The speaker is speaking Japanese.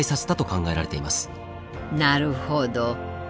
なるほど。